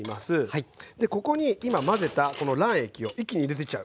ここに今混ぜたこの卵液を一気に入れてっちゃう。